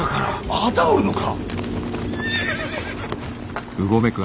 まだおるのか！